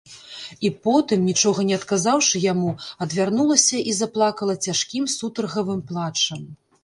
І потым, нічога не адказаўшы яму, адвярнулася і заплакала цяжкім сутаргавым плачам.